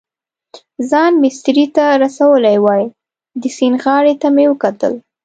ځان مېسترې ته رسولی وای، د سیند غاړې ته مې وکتل.